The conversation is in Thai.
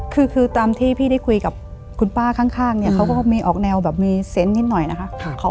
คือตามที่พี่ได้คุยกับคุณป้าข้างเนี่ยเขาก็มีออกแนวแบบมีเซนต์นิดหน่อยนะคะ